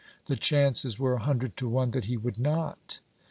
The chances were a hundred to one that he would not.